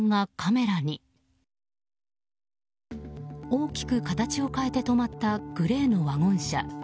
大きく形を変えて止まったグレーのワゴン車。